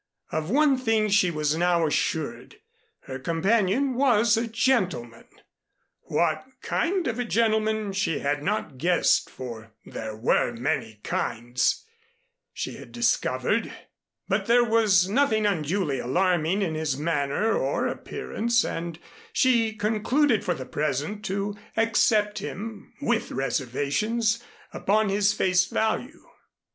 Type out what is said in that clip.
Of one thing she was now assured her companion was a gentleman. What kind of a gentleman she had not guessed, for there were many kinds, she had discovered; but there was nothing unduly alarming in his manner or appearance and she concluded for the present to accept him, with reservations, upon his face value.